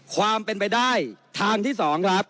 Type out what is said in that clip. ความเป็นไปได้ทางที่๒ครับ